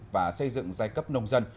và xây dựng giai cấp nông dân